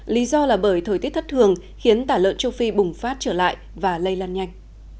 lý do là bởi thời tiết thất thường khiến tả lợn châu phi bùng phát trở lại và lây lan nhanh